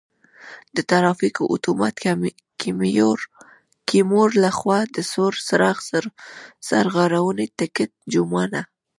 د ترافیکو آتومات کیمرو له خوا د سور څراغ سرغړونې ټکټ جرمانه: